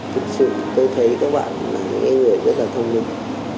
thực sự tôi thấy các bạn là những người rất là thông điệp